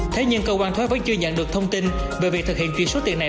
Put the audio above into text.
thế nhưng cơ quan thuế vẫn chưa nhận được thông tin về việc thực hiện chuyển số tiền này